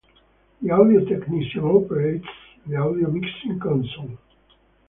The audio technician operates the audio mixing console.